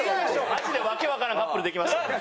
マジでわけわからんカップルできましたね。